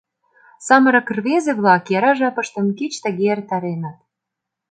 Самырык рвезе-влак яра жапыштым кеч тыге эртареныт.